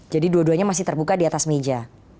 jadi dua duanya masih terbuka di atas meja